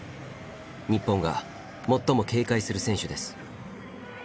日本が最も警戒する選手です。